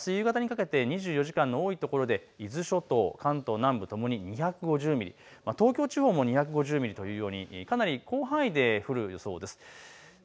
あす夕方にかけて２４時間多いところで伊豆諸島と関東南部ともに２５０ミリ、東京地方も２５０ミリというようにかなり広範囲で降る予想です。